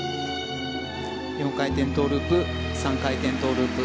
４回転トウループ３回転トウループ。